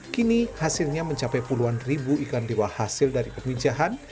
kini hasilnya mencapai puluhan ribu ikan dewa hasil dari pemijahan